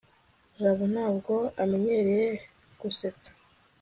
jabo ntabwo amenyereye gusetsa